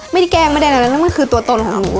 ไม่ได้แกล้งไม่ได้แบบนั้นมันคือตัวตนของหนู